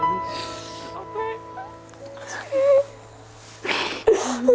ไม่รอดแม่